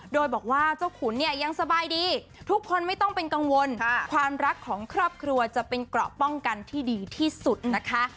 โดยบอกว่าเจ้าขุนเนี่ยยังสบายดีทุกคนไม่ต้องเป็นกังวลความรักของครอบครัวจะเป็นเกราะป้องกันที่ดีที่สุดนะคะ